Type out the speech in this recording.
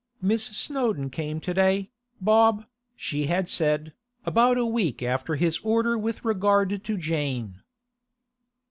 'Miss Snowdon came to day, Bob,' she had said, about a week after his order with regard to Jane.